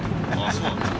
そうなんですか。